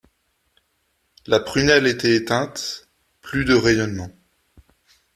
La prunelle était éteinte ; plus de rayonnement.